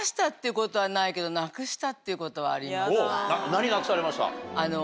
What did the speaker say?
何なくされました？